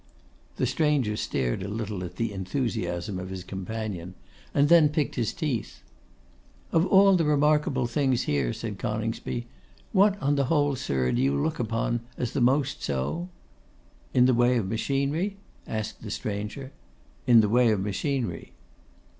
The stranger stared a little at the enthusiasm of his companion, and then picked his teeth. 'Of all the remarkable things here,' said Coningsby, 'what on the whole, sir, do you look upon as the most so?' 'In the way of machinery?' asked the stranger. 'In the way of machinery.